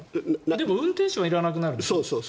でも運転手はいらなくなるんでしょ。